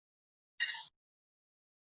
郑丁旺人。